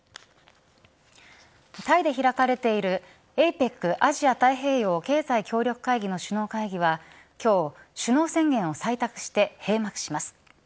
タイで開かれているＡＰＥＣ＝アジア太平洋経済協力会議の首脳会議は今日首脳宣言を採択して閉幕します。